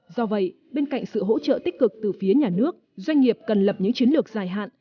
do vậy bên cạnh sự hỗ trợ tích cực từ phía nhà nước doanh nghiệp cần lập những chiến lược dài hạn